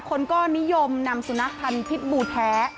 คนก็นิยมนำสุนัขพันธ์พิษบูแท้